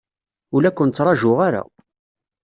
Ur la ken-ttṛajuɣ ara.